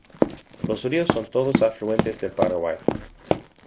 Los ríos son todos afluentes del Paraguay.